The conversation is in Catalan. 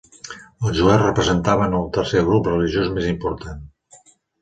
Els jueus representaven el tercer grup religiós més important.